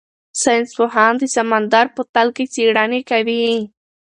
ساینس پوهان د سمندر په تل کې څېړنې کوي.